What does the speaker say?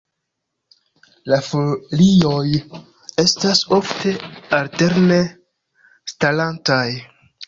La folioj estas ofte alterne starantaj.